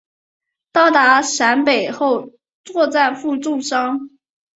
到达陕北后作战负重伤。